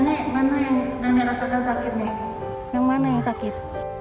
nenek nenek rasakan sakit nih yang mana yang sakit